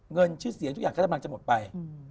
เงินชื่อเสียงทุกอย่างก็กำลังจะหมดไป